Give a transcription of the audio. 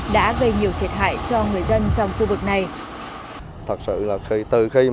đã gây nhiều thiệt hại cho người dân trong khu vực này